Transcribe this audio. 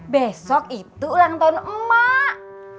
besok itu ulang tahun emak